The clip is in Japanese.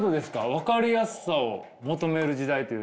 分かりやすさを求める時代というのは？